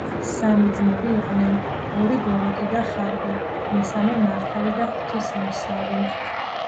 სამი ძმები იყვნენ. ორი ბოროტი და ხარბი, მესამე მართალი და ღვთისმოსავი.